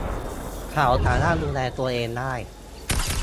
เขาสามารถดูแลตัวเองได้